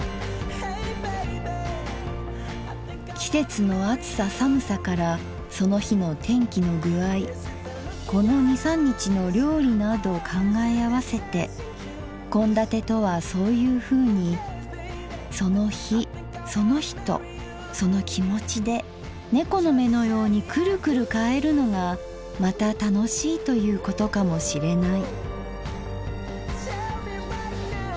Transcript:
「季節の暑さ寒さからその日の天気の工合この二三日の料理など考え合わせて献立とはそういう風にその日その人その気持で猫の目のようにクルクル変えるのがまた楽しいということかも知れない」。